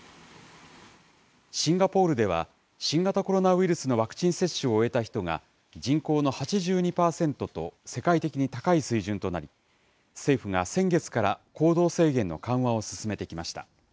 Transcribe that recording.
シンガポールでは、新型コロナウイルスのワクチン接種を終えた人が、人口の８２％と、世界的に高い水準となり、政府が先月から行動制限の緩和を進めてきました。